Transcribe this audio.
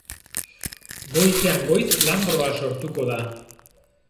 Goizean goiz lanbroa sortuko da.